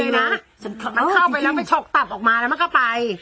มันเข้าไปแล้วไปชกตับออกมาแล้วมันก็ไป